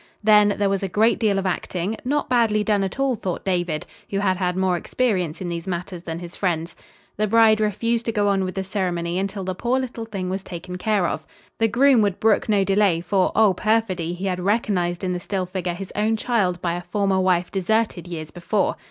Then, there was a great deal of acting, not badly done at all, thought David, who had had more experience in these matters than his friends. The bride refused to go on with the ceremony until the poor little thing was taken care of. The groom would brook no delay, for, oh, perfidy, he had recognized in the still figure his own child by a former wife deserted years before.